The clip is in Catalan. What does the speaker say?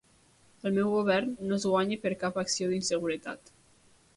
El meu govern no es guanya per cap acció d'inseguretat.